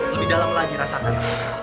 lebih dalam lagi rasakan